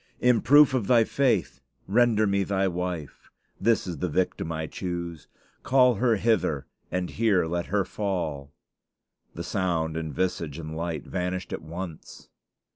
In proof of thy faith, render me thy wife. This is the victim I choose. Call her hither, and here let her fall." The sound and visage and light vanished at once.